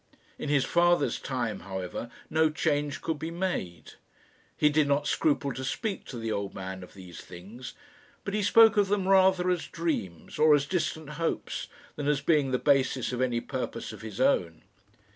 In his father's time, however, no change could be made. He did not scruple to speak to the old man of these things; but he spoke of them rather as dreams, or as distant hopes, than as being the basis of any purpose of his own.